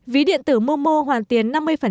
ví điện tử momo hoàn tiền năm mươi